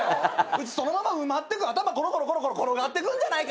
うちそのまま埋まってく頭コロコロコロコロ転がってくんじゃないかと思ったよ！